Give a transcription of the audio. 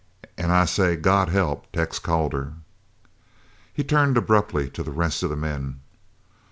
An' I say, God help Tex Calder!" He turned abruptly to the rest of the men.